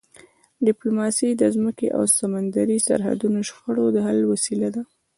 ډیپلوماسي د ځمکني او سمندري سرحدي شخړو د حل وسیله ده.